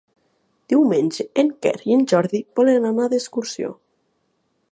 Diumenge en Quel i en Jordi volen anar d'excursió.